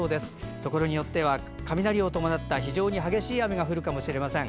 ところによっては雷を伴った非常に激しい雨が降るかもしれません。